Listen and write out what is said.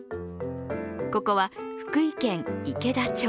ここは福井県池田町。